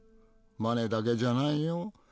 マネだけじゃないよ。